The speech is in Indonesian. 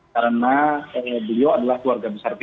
karena beliau adalah keluarga besar p tiga